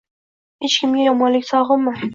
Hech kimga yomonlik sog’inma.